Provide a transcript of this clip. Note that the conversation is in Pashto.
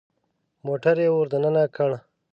موټر يې ور دننه کړ.